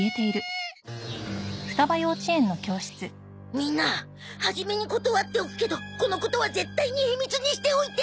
みんな初めに断っておくけどこのことは絶対に秘密にしておいて！